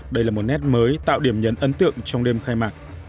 đây là một nét mới tạo điểm nhấn ấn tượng trong đêm khai mạc